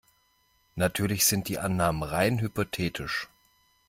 Natürlich sind die Annahmen rein hypothetisch.